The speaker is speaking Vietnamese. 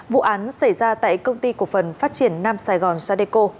vụ án xảy ra tại công ty cổ phần phát triển nam sài gòn sadeco